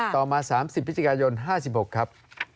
ต่อมาสามสิบพิจิกายนห้าสิบหกครับ